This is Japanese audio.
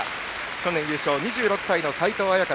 去年優勝、２６歳の齊藤綾夏。